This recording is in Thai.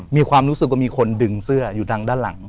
มีความรู้สึกว่ามีคนดึงเสื้ออยู่ทางด้านหลัง